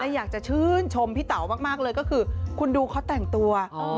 แล้วอยากจะชื่นชมพี่เต๋ามากคุณดูเขาแต่งตัว